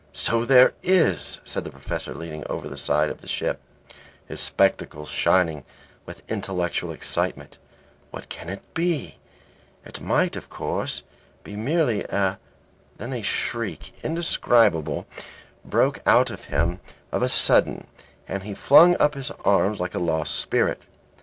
"So there is," said the Professor, leaning over the side of the ship, his spectacles shining with intellectual excitement. "What can it be? It might of course be merely a " Then a shriek indescribable broke out of him of a sudden, and he flung up his arms like a lost spirit.